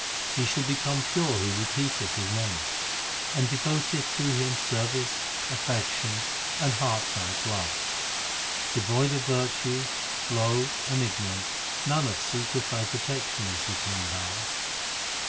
He shall become pure who repeateth His name, And devoteth to Him service, affection, and heartfelt love. Devoid of virtue, low, and ignorant Nanak seeketh thy protection, O Supreme Power.